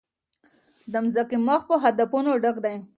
د مځکي مخ په هدفونو ډک دی.